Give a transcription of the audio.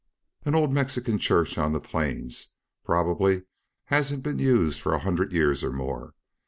"An old Mexican church on the plains. Probably hasn't been used for a hundred years or more.